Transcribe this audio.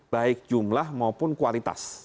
baik jumlah maupun kualitas